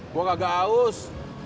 gue agak haus